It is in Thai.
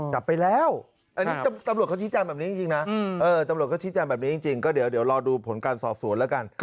จับไปแล้วตำรวจเขาชี้จันแบบนี้จริงนะเดี๋ยวเราดูผลการสอบสวนล่ะกัน